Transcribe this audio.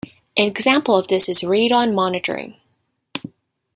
An example of this is radon monitoring.